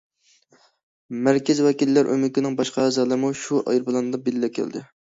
مەركەز ۋەكىللەر ئۆمىكىنىڭ باشقا ئەزالىرىمۇ شۇ ئايروپىلاندا بىللە كەلدى.